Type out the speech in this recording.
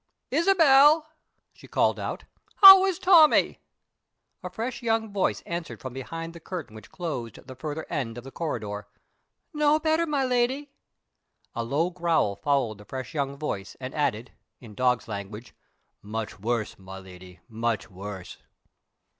"Isabel!" she called out, "how is Tommie?" A fresh young voice answered from behind the curtain which closed the further end of the corridor, "No better, my Lady." A low growl followed the fresh young voice, and added (in dog's language), "Much worse, my Lady much worse!"